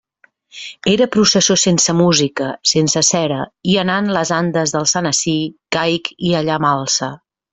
Era processó sense música, sense cera i anant les andes del sant ací caic i allà m'alce.